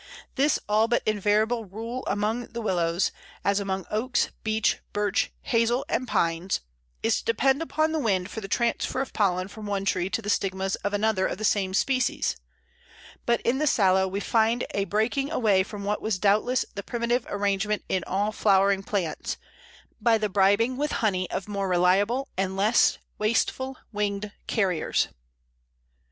The all but invariable rule among the Willows as among Oaks, Beech, Birch, Hazel, and Pines is to depend upon the wind for the transfer of pollen from one tree to the stigmas of another of the same species, but in the Sallow we find a breaking away from what was doubtless the primitive arrangement in all flowering plants, by the bribing with honey of more reliable and less wasteful winged carriers.